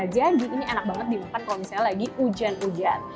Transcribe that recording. jadi ini enak banget dimakan kalau misalnya lagi hujan hujan